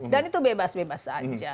dan itu bebas bebas saja